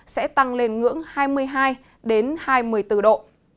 sẽ tăng lên ngưỡng hai mươi hai hai mươi bốn độ